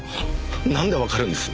なんでわかるんです？